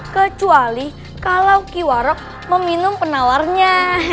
kecuali kalau kiwarok meminum penawarnya